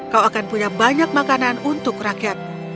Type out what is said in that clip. kau akan punya banyak makanan untuk rakyatmu